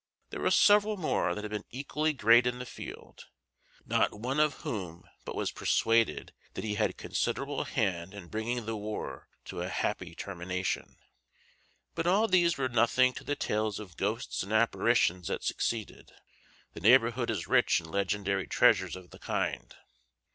There were several more that had been equally great in the field, not one of whom but was persuaded that he had a considerable hand in bringing the war to a happy termination. But all these were nothing to the tales of ghosts and apparitions that succeeded. The neighborhood is rich in legendary treasures of the kind.